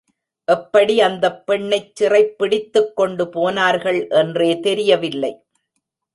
எப்படி அந்தப் பெண்ணைச் சிறைப் பிடித்துக் கொண்டு போனார்கள் என்றே தெரியவில்லை.